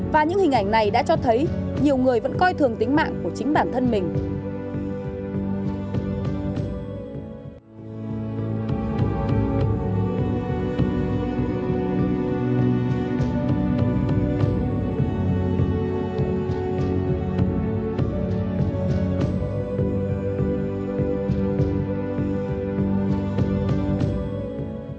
và những hình ảnh này đã cho thấy nhiều người vẫn coi thường tính mạng của chính bản thân mình